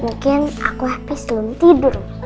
mungkin aku hape sebelum tidur